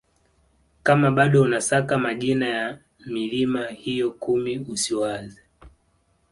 Kama bado unasaka majina ya milima hiyo kumi usiwaze